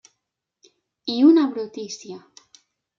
I una brutícia!